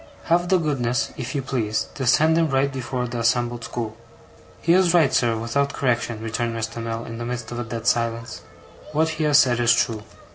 Have the goodness, if you please, to set him right before the assembled school.' 'He is right, sir, without correction,' returned Mr. Mell, in the midst of a dead silence; 'what he has said is true.